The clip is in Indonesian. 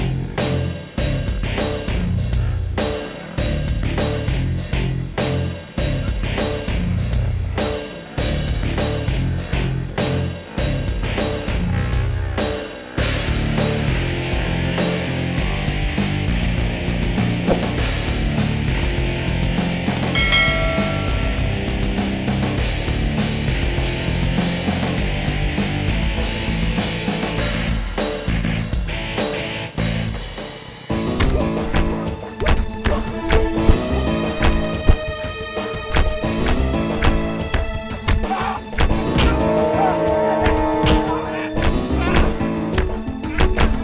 kesana lagi kesana lagi kesana lagi